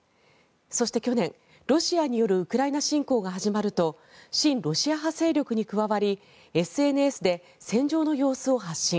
そして去年、ロシアによるウクライナ侵攻が始まると親ロシア派勢力に加わりＳＮＳで戦場の様子を発信。